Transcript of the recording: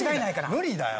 無理だよ。